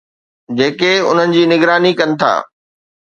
جيڪي انهن جي نگراني ڪن ٿا